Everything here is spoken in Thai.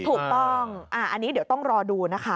ถูกต้องอันนี้เดี๋ยวต้องรอดูนะคะ